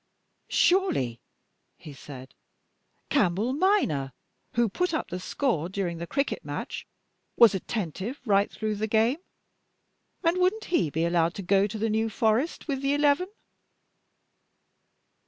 "Surely," he said, "Campbell minor, who put up the score during the cricket match, was attentive right through the game, and wouldn't he be allowed to go to the New Forest with the eleven?"